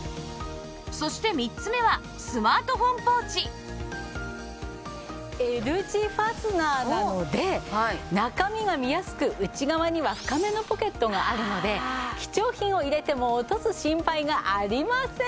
そして３つ目は Ｌ 字ファスナーなので中身が見やすく内側には深めのポケットがあるので貴重品を入れても落とす心配がありません！